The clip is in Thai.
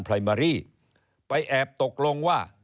ปรายมอรี่ไปแอบตกลงว่า